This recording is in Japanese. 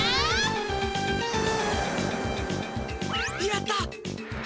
やった！